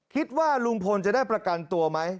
คิดว่าลุงพลจะได้ประกันตัวไหม